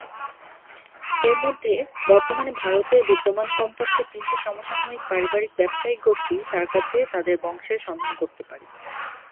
এর মধ্যে, বর্তমানে ভারতে বিদ্যমান কমপক্ষে তিনটি সমসাময়িক পারিবারিক ব্যবসায়িক গোষ্ঠী তাঁর কাছে তাদের বংশের সন্ধান করতে পারে।